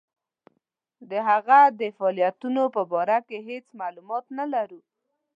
د هغه د فعالیتونو په باره کې هیڅ معلومات نه لرو.